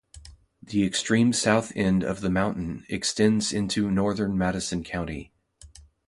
The extreme south end of the mountain extends into northern Madison County.